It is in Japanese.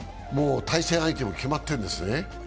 対戦相手も決まってるんですね。